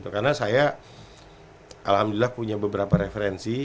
karena saya alhamdulillah punya beberapa referensi